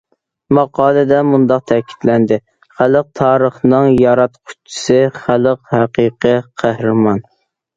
ماقالىدە مۇنداق تەكىتلەندى: خەلق تارىخنىڭ ياراتقۇچىسى، خەلق ھەقىقىي قەھرىمان.